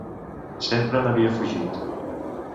Sempre n'havia fugit.